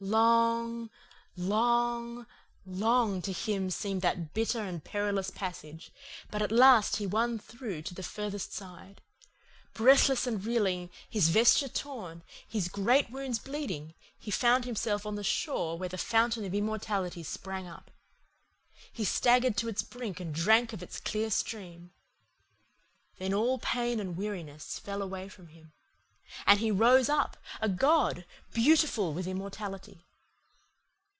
Long, long, long, to him seemed that bitter and perilous passage; but at last he won through to the furthest side. Breathless and reeling, his vesture torn, his great wounds bleeding, he found himself on the shore where the fountain of immortality sprang up. He staggered to its brink and drank of its clear stream. Then all pain and weariness fell away from him, and he rose up, a god, beautiful with immortality.